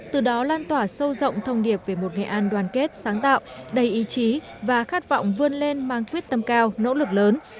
từ đó lan tỏa sâu rộng thông điệp về một nghệ an đoàn kết sáng tạo đầy ý chí và khát vọng vươn lên mang quyết tâm cao nỗ lực lớn